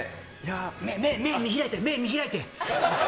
目、見開いて、目、見開いて。